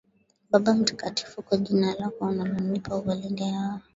Baba mtakatifu kwa jina lako ulilonipa uwalinde hawa